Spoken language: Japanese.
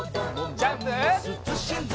ジャンプ！